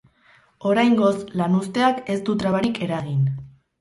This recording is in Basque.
Oraingoz, lanuzteak ez du trabarik eragin.